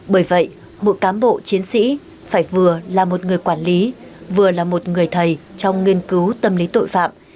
bởi vậy mỗi cám bộ chiến sĩ phải vừa là một người quản lý vừa là một người thầy trong nghiên cứu tâm lý tội phạm